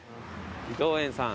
伊藤薗さん。